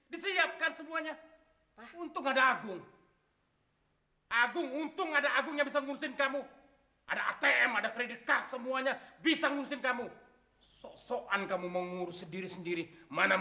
bilang saya ada di belakang rumah